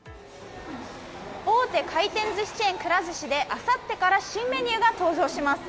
大手回転寿司チェーンくら寿司であさってから新メニューが登場します。